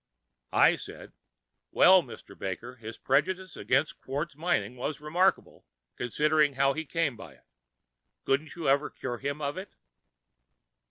I said, "Well, Mr. Baker, his prejudice against quartz mining was remarkable, considering how he came by it. Couldn't you ever cure him of it?"